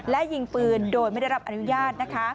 และยิงปืนโดยไม่ได้รับอนุญาตนะคะ